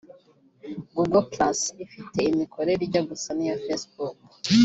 Google+ ifite imikorere ijya gusa n’iya facebook